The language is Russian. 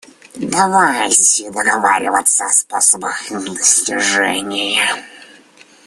Давайте договариваться о способах их достижения.